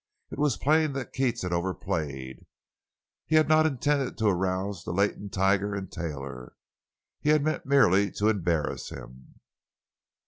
It was plain that Keats had overplayed; he had not intended to arouse the latent tiger in Taylor; he had meant merely to embarrass him.